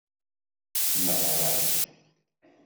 Neɣra-d.